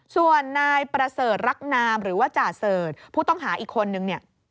ส่วนนายประเสริฐรักนามหรือว่าจ่าเสิร์ชผู้ต้องหาอีกคนนึงเนี่ย